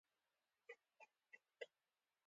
مثل جمع مثال دی چې اندازه مقدار او مانند مانا لري